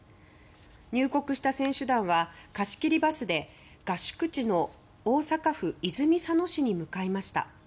入国した選手団は貸し切りバスで合宿地の大阪府泉佐野市に向かいました。